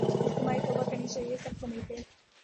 اجتماعی توبہ کرنی چاہیے سب کو مل کے